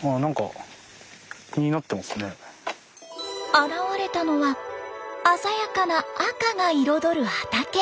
現れたのは鮮やかな赤が彩る畑。